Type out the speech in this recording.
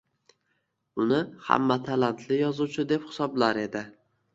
Uni hamma talantli yozuvchi deb hisoblar edi